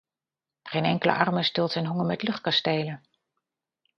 Geen enkele arme stilt zijn honger met luchtkastelen.